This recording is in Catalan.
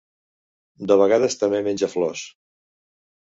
De vegades també menja flors.